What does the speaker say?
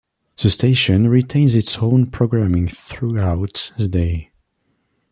The station retains its own programming throughout the day.